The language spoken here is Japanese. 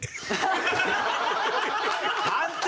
判定！